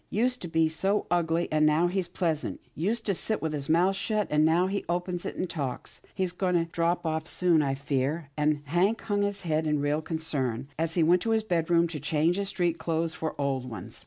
Used to be so ugly, and now he's pleasant. Used to sit with his mouth shut, and now he opens it, and talks. He's going to drop off soon, I fear," and Hank hung his head in real concern, as he went to his bedroom to change his street clothes for old ones.